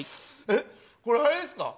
これ、あれですか。